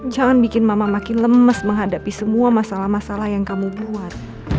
jangan bikin mama makin lemes menghadapi semua masalah masalah yang kamu buat